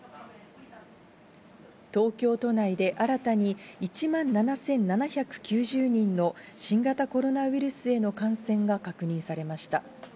東京都内で新たに１万７７９０人の新型コロナウイルスへの感染が確認されました。